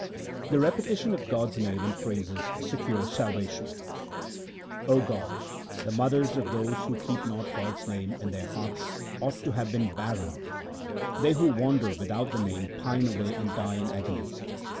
The repetition of God's name and praises secures salvation :— O God, the mothers of those who keep not God's name in their hearts ought to have been barren. They who wander without the Name pine away and die in agony.